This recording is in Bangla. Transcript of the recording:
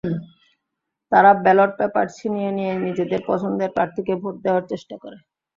তারা ব্যালট পেপার ছিনিয়ে নিয়ে নিজেদের পছন্দের প্রার্থীকে ভোট দেওয়ার চেষ্টা করে।